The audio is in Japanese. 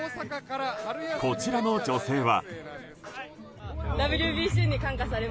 こちらの女性は。